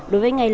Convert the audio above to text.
đối với ngày này